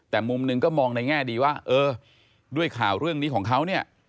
แต่มุมหนึ่งก็มองในแง่ดีว่าเออด้วยข่าวเรื่องนี้ของเขาเนี่ย